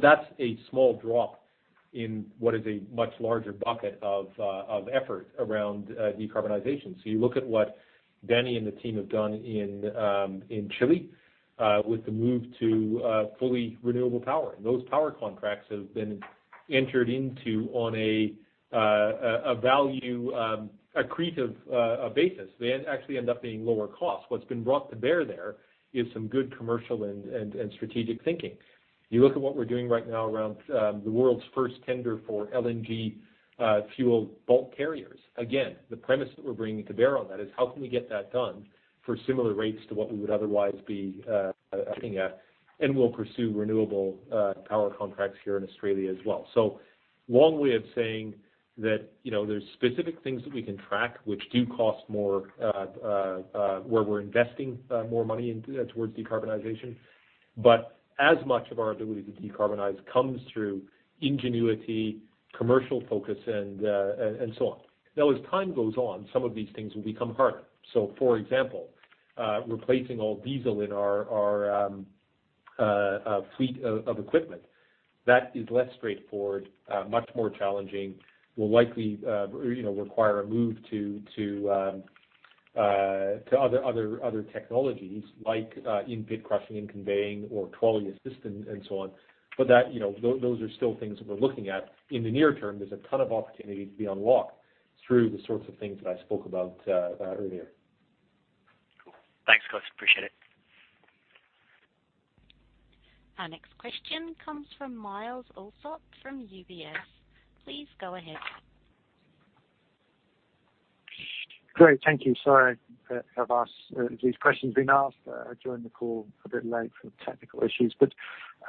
That's a small drop in what is a much larger bucket of effort around decarbonization. You look at what Danny and the team have done in Chile, with the move to fully renewable power. Those power contracts have been entered into on a value accretive basis. They actually end up being lower cost. What's been brought to bear there is some good commercial and strategic thinking. You look at what we're doing right now around the world's first tender for LNG fuel bulk carriers. Again, the premise that we're bringing to bear on that is how can we get that done for similar rates to what we would otherwise be looking at, and we'll pursue renewable power contracts here in Australia as well. Long way of saying that there's specific things that we can track, which do cost more, where we're investing more money towards decarbonization. As much of our ability to decarbonize comes through ingenuity, commercial focus and so on. Now, as time goes on, some of these things will become harder. For example, replacing all diesel in our fleet of equipment. That is less straightforward, much more challenging, will likely require a move to other technologies like in-pit crushing and conveying or trolley assistance and so on. Those are still things that we're looking at. In the near term, there's a ton of opportunity to be unlocked through the sorts of things that I spoke about earlier. Cool. Thanks guys, appreciate it. Our next question comes from Myles Allsop from UBS. Please go ahead. Great. Thank you. Sorry to have asked these questions being asked. I joined the call a bit late for the technical issues. First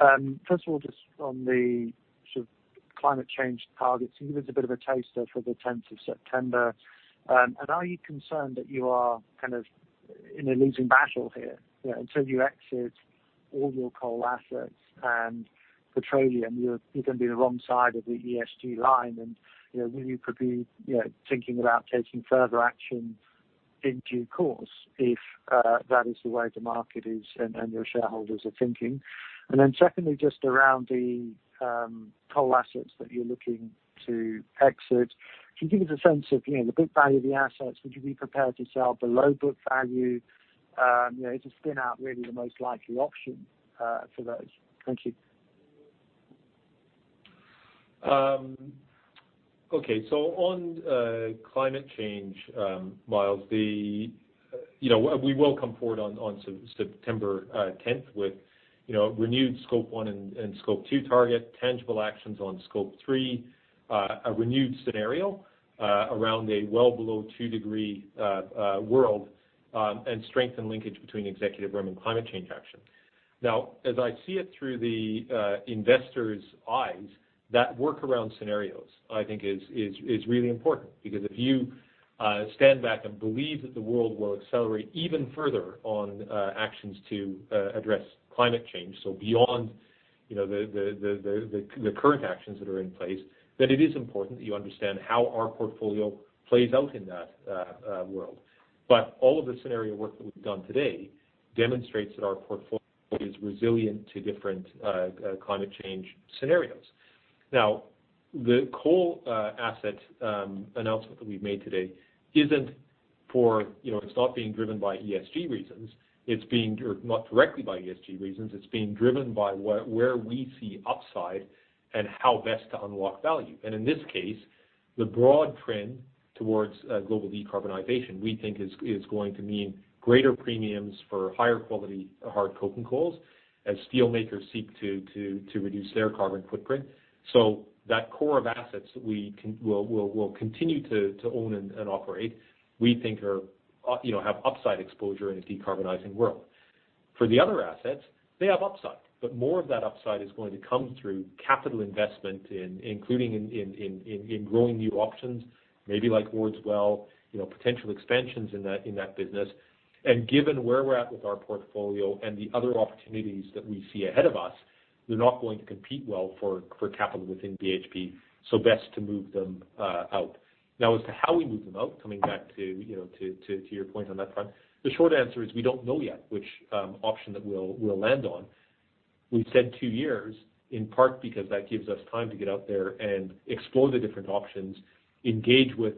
of all, just on the sort of climate change targets, can you give us a bit of a taster for the 10th of September? Are you concerned that you are kind of in a losing battle here? Until you exit all your coal assets and petroleum, you're going to be the wrong side of the ESG line and will you perhaps be thinking about taking further actions in due course if that is the way the market is and your shareholders are thinking. Secondly, just around the coal assets that you're looking to exit. Can you give us a sense of the book value of the assets? Would you be prepared to sell below book value? Is a spin-out really the most likely option for those? Thank you. Okay. On climate change, Myles, we will come forward on September 10th with renewed Scope 1 and Scope 2 target, tangible actions on Scope 3, a renewed scenario around a well below 2 degree world, and strengthen linkage between executive remuneration and climate change action. As I see it through the investors' eyes, that work around scenarios I think is really important. If you stand back and believe that the world will accelerate even further on actions to address climate change, beyond the current actions that are in place, then it is important that you understand how our portfolio plays out in that world. All of the scenario work that we've done today demonstrates that our portfolio is resilient to different climate change scenarios. The coal asset announcement that we've made today isn't being driven by ESG reasons. Not directly by ESG reasons, it's being driven by where we see upside and how best to unlock value. In this case, the broad trend towards global decarbonization, we think is going to mean greater premiums for higher quality hard coking coals as steel makers seek to reduce their carbon footprint. That core of assets that we'll continue to own and operate, we think have upside exposure in a decarbonizing world. For the other assets, they have upside, but more of that upside is going to come through capital investment, including in growing new options, maybe like, [inaudible] potential expansions in that business. Given where we're at with our portfolio and the other opportunities that we see ahead of us, they're not going to compete well for capital within BHP, so best to move them out. As to how we move them out, coming back to your point on that front, the short answer is we don't know yet which option that we'll land on. We've said two years, in part because that gives us time to get out there and explore the different options, engage with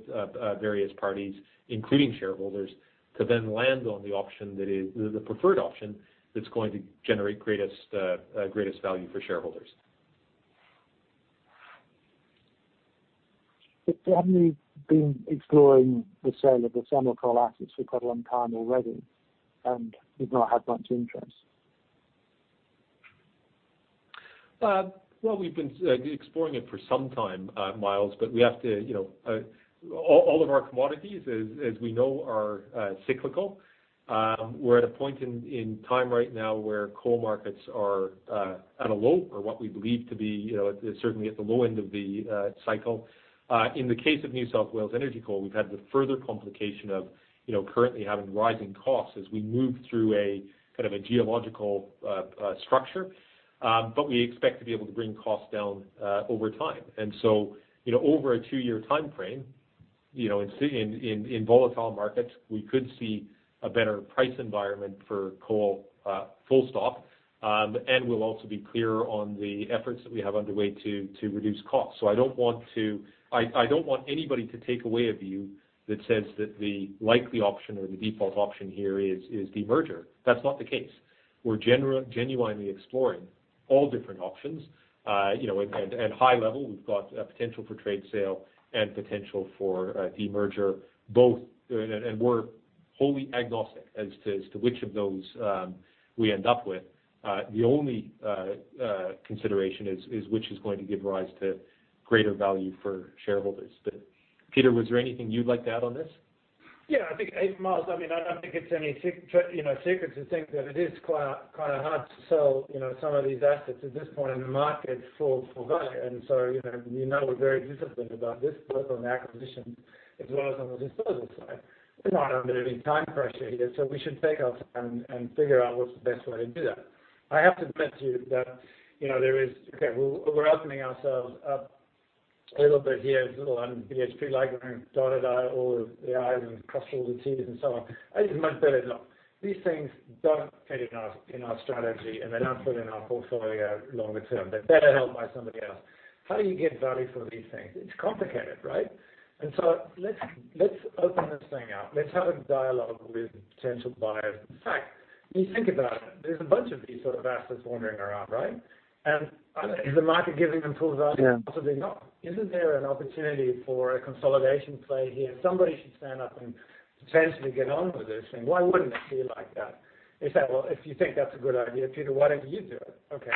various parties, including shareholders, to then land on the preferred option that's going to generate greatest value for shareholders. Haven't you been exploring the sale of the thermal coal assets for quite a long time already and you've not had much interest? Well, we've been exploring it for some time, Myles, but all of our commodities, as we know, are cyclical. We're at a point in time right now where coal markets are at a low, or what we believe to be certainly at the low end of the cycle. In the case of New South Wales Energy Coal, we've had the further complication of currently having rising costs as we move through a geological structure. We expect to be able to bring costs down over time. Over a two-year timeframe, in volatile markets, we could see a better price environment for coal, full stop, and we'll also be clear on the efforts that we have underway to reduce costs. I don't want anybody to take away a view that says that the likely option or the default option here is demerger. That's not the case. We're genuinely exploring all different options. At high level, we've got a potential for trade sale and potential for a demerger both, and we're wholly agnostic as to which of those we end up with. The only consideration is which is going to give rise to greater value for shareholders. Peter, was there anything you'd like to add on this? Myles, I don't think it's any secret to think that it is kind of hard to sell some of these assets at this point in the market for value. You know we're very disciplined about this both on the acquisition as well as on the disposal side. We're not under any time pressure here, so we should take our time and figure out what's the best way to do that. I have to admit to you that we're opening ourselves up a little bit here, a little on BHP, like we've dotted all the Is and crossed all the Ts and so on. I just must say, look, these things don't fit in our strategy and they're not fit in our portfolio longer term. They're better held by somebody else. How do you get value for these things? It's complicated. Let's open this thing up. Let's have a dialogue with potential buyers. In fact, when you think about it, there's a bunch of these sort of assets wandering around. Is the market giving them full value? Possibly not. Isn't there an opportunity for a consolidation play here? Somebody should stand up and potentially get on with this thing. Why wouldn't it be like that? You say, well, if you think that's a good idea, Peter, why don't you do it? Okay.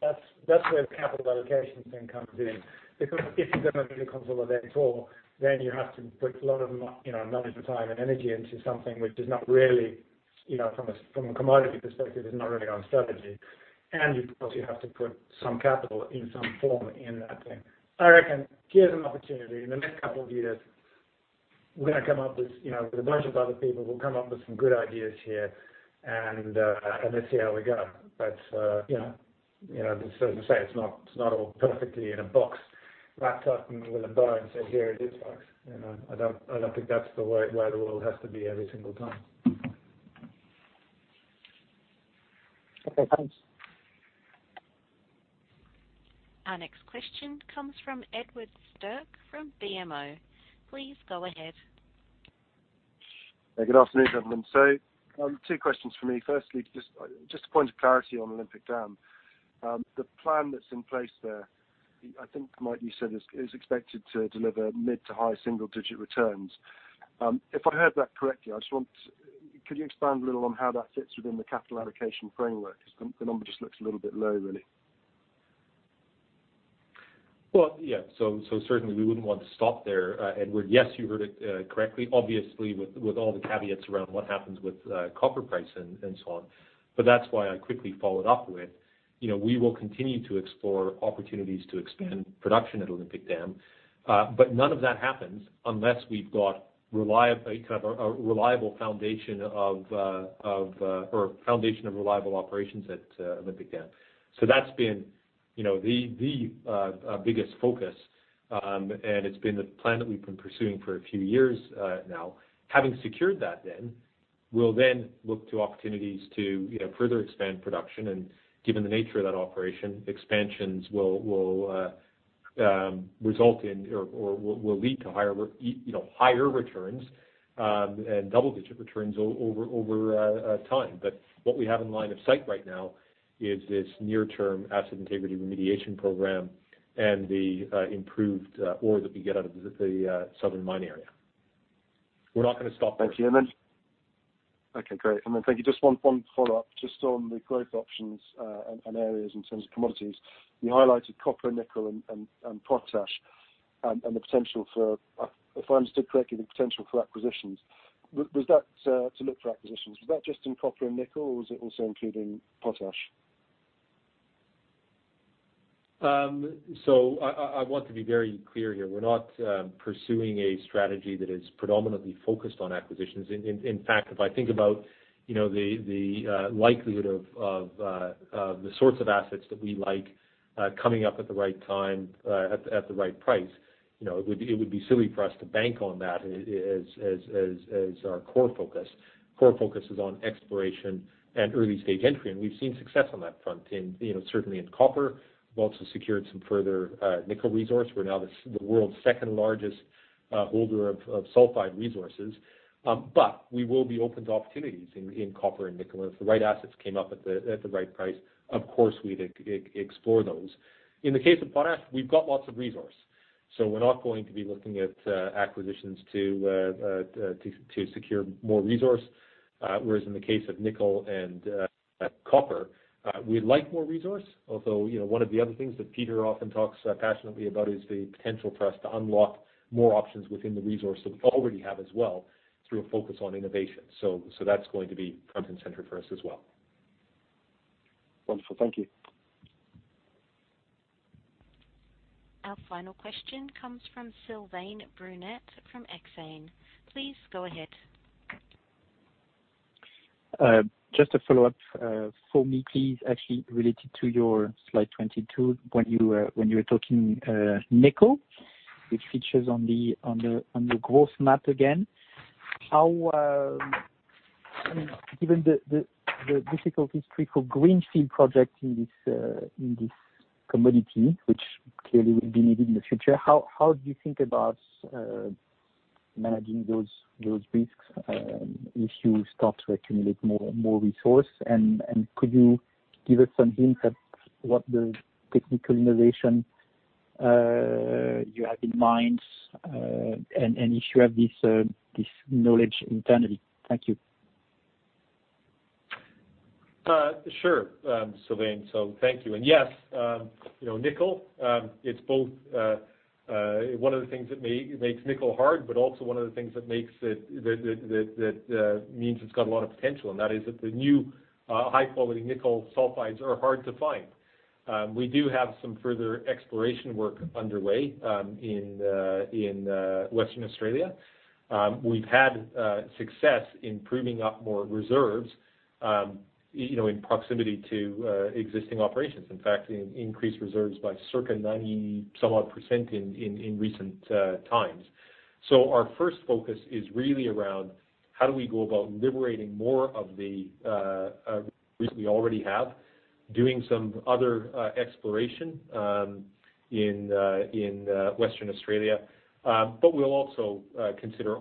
That's where the capital allocation thing comes in, because if you're going to do the consolidation at all, then you have to put a lot of money, time, and energy into something which does not really, from a commodity perspective, is not really our strategy. You obviously have to put some capital in some form in that thing. I reckon here's an opportunity. In the next couple of years, we're going to come up with a bunch of other people, we'll come up with some good ideas here and let's see how we go. As I say, it's not all perfectly in a box wrapped up with a bow and say, here it is, folks. I don't think that's the way the world has to be every single time. Okay, thanks. Our next question comes from Edward Sterck from BMO. Please go ahead. Good afternoon, gentlemen. Two questions from me. Firstly, just a point of clarity on Olympic Dam. The plan that's in place there, I think, Mike, you said is expected to deliver mid to high single-digit returns. If I heard that correctly, could you expand a little on how that fits within the capital allocation framework? The number just looks a little bit low, really. Certainly we wouldn't want to stop there, Edward. Yes, you heard it correctly. Obviously, with all the caveats around what happens with copper price and so on. That's why I quickly followed up with, we will continue to explore opportunities to expand production at Olympic Dam. None of that happens unless we've got a foundation of reliable operations at Olympic Dam. That's been the biggest focus, and it's been the plan that we've been pursuing for a few years now. Having secured that, we'll then look to opportunities to further expand production, and given the nature of that operation, expansions will result in or will lead to higher returns and double-digit returns over time. What we have in line of sight right now is this near-term asset integrity remediation program and the improved ore that we get out of the Southern Mine Area. We're not going to stop there. Thank you. Okay, great. Thank you. Just one follow-up, just on the growth options and areas in terms of commodities. You highlighted copper, nickel, and potash, and the potential for, if I understood correctly, the potential for acquisitions. To look for acquisitions, was that just in copper and nickel, or was it also including potash? I want to be very clear here. We're not pursuing a strategy that is predominantly focused on acquisitions. In fact, if I think about the likelihood of the sorts of assets that we like coming up at the right time, at the right price, it would be silly for us to bank on that as our core focus. Core focus is on exploration and early-stage entry, we've seen success on that front certainly in copper. We've also secured some further nickel resource. We're now the world's second-largest holder of sulfide resources. We will be open to opportunities in copper and nickel. If the right assets came up at the right price, of course, we'd explore those. In the case of potash, we've got lots of resource, so we're not going to be looking at acquisitions to secure more resource, whereas in the case of nickel and copper, we'd like more resource. Although, one of the other things that Peter often talks passionately about is the potential for us to unlock more options within the resource that we already have as well through a focus on innovation. That's going to be front and center for us as well. Wonderful. Thank you. Our final question comes from Sylvain Brunet from Exane. Please go ahead. Just a follow-up for me, please, actually related to your slide 22, when you were talking nickel, which features on the growth map again. Given the difficulties for greenfield projects in this commodity, which clearly will be needed in the future, how do you think about managing those risks if you start to accumulate more resource? Could you give us some hints at what the technical innovation you have in mind, and if you have this knowledge internally? Thank you. Sure, Sylvain. Thank you. Yes, nickel, it's both. One of the things that makes nickel hard, but also one of the things that means it's got a lot of potential, and that is that the new high-quality nickel sulfides are hard to find. We do have some further exploration work underway in Western Australia. We've had success in proving up more reserves in proximity to existing operations. In fact, increased reserves by circa 90% some odd in recent times. Our first focus is really around how do we go about liberating more of the resource we already have, doing some other exploration in Western Australia. We'll also consider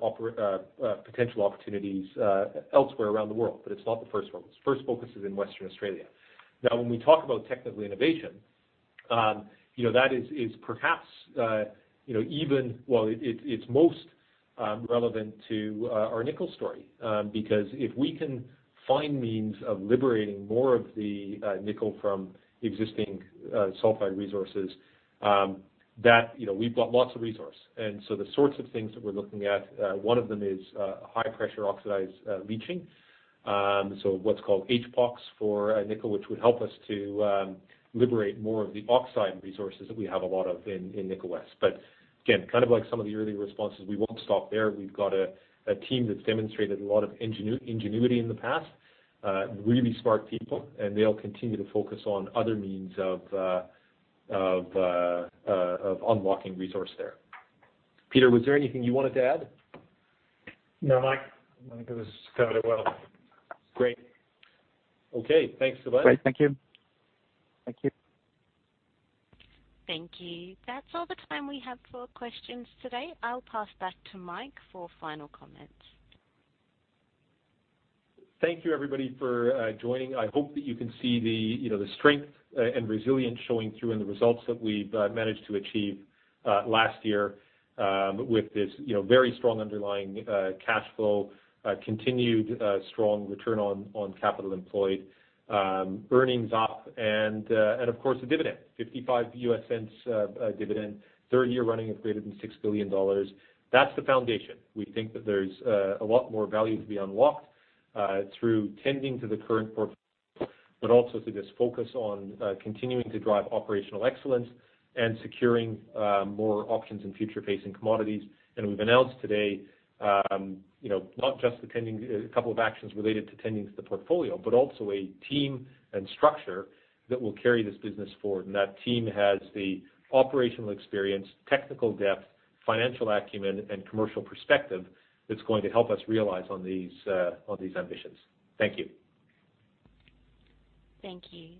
potential opportunities elsewhere around the world, but it's not the first focus. First focus is in Western Australia. When we talk about technical innovation, that is perhaps, well, it's most relevant to our nickel story. If we can find means of liberating more of the nickel from existing sulfide resources, we've got lots of resource. The sorts of things that we're looking at, one of them is high pressure oxidized leaching. What's called HPOx for nickel, which would help us to liberate more of the oxide resources that we have a lot of in Nickel West. Again, like some of the earlier responses, we won't stop there. We've got a team that's demonstrated a lot of ingenuity in the past, really smart people, and they'll continue to focus on other means of unlocking resource there. Peter, was there anything you wanted to add? No, Mike. I think it was covered well. Great. Okay, thanks, Sylvain. Great. Thank you. Thank you. Thank you. That's all the time we have for questions today. I'll pass back to Mike for final comments. Thank you, everybody, for joining. I hope that you can see the strength and resilience showing through in the results that we've managed to achieve last year with this very strong underlying cash flow, continued strong return on capital employed, earnings up, and of course, the dividend, $0.55 dividend, third year running of greater than $6 billion. That's the foundation. We think that there's a lot more value to be unlocked through tending to the current portfolio, also through this focus on continuing to drive operational excellence and securing more options in future-facing commodities. We've announced today not just a couple of actions related to tending to the portfolio, also a team and structure that will carry this business forward. That team has the operational experience, technical depth, financial acumen, and commercial perspective that's going to help us realize on these ambitions. Thank you. Thank you.